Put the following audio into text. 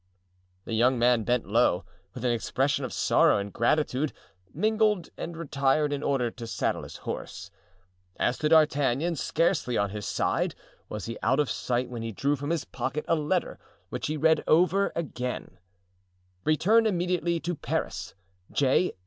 The young man bent low, with an expression of sorrow and gratitude mingled, and retired in order to saddle his horse. As to D'Artagnan, scarcely, on his side, was he out of sight when he drew from his pocket a letter, which he read over again: "Return immediately to Paris.—J.